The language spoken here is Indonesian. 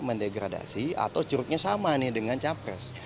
menyebabkan degradasi atau curutnya sama dengan capres